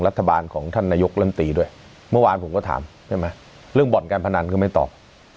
รัฐบาลของท่านนายกลำตีด้วยเมื่อวานผมก็ถามใช่ไหมเรื่องบ่อนการพนันก็ไม่ตอบ